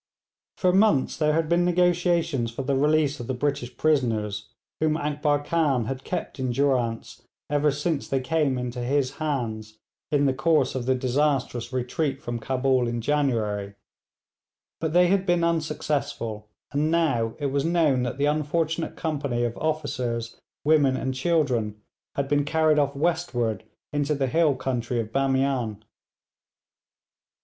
For months there had been negotiations for the release of the British prisoners whom Akbar Khan had kept in durance ever since they came into his hands in the course of the disastrous retreat from Cabul in January, but they had been unsuccessful, and now it was known that the unfortunate company of officers, women, and children, had been carried off westward into the hill country of Bamian.